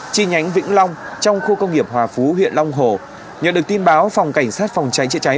chi nhánh vĩnh long trong khu công nghiệp hòa phú huyện long hồ nhờ được tin báo phòng cảnh sát phòng cháy chữa cháy